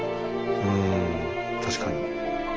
うん確かに。